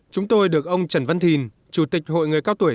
chúng tôi được ông trần văn thìn chủ tịch hội người cao tuổi